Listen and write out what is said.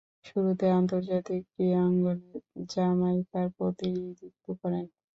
শুরুতে আন্তর্জাতিক ক্রীড়াঙ্গনে জামাইকার প্রতিনিধিত্ব করেন।